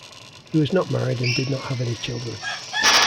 He was not married and did not have any children.